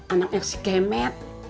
anak yang si kemet